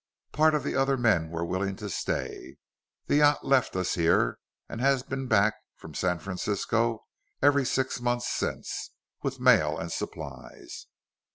Part of the other men were willing to stay. The yacht left us here, and has been back from San Francisco every six months since, with mail and supplies."